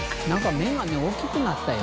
目が大きくなったよ。